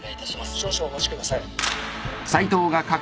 少々お待ちください